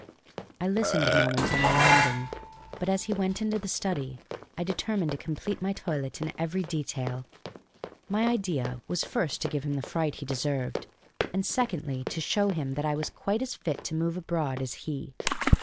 I listened a moment on the landing, but as he went into the study I determined to complete my toilet in every detail. My idea was first to give him the fright he deserved, and secondly to show him that I was quite as fit to move abroad as he.